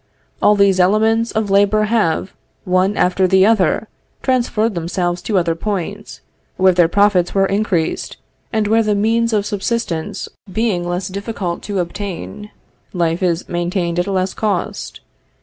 All these elements of labor have, one after the other, transferred themselves to other points, where their profits were increased, and where the means of subsistence being less difficult to obtain, life is maintained at a less cost.